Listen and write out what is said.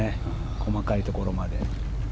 細かいところまで。